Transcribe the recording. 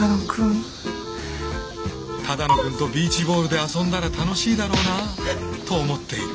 「只野くんとビーチボールで遊んだら楽しいだろうな」と思っている。